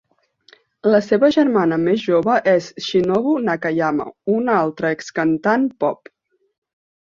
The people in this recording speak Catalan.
La seva germana més jove és Shinobu Nakayama, una altra excantant pop.